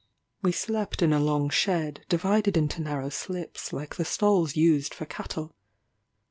We slept in a long shed, divided into narrow slips, like the stalls used for cattle.